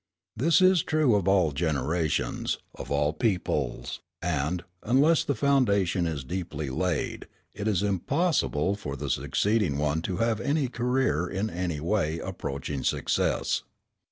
This is true of all generations, of all peoples; and, unless the foundation is deeply laid, it is impossible for the succeeding one to have a career in any way approaching success.